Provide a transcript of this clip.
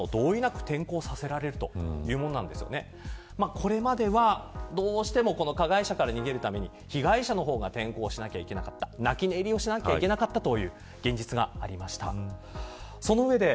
これまでは、どうしても加害者から逃げるために被害者の方が転校しなきゃいけなかったという現実がありました。